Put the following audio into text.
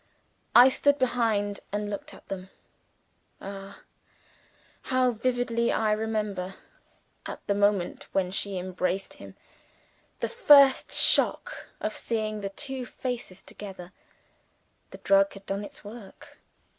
I stood behind and looked at them. Ah, how vividly I remember at the moment when she embraced him the first shock of seeing the two faces together! The drug had done its work.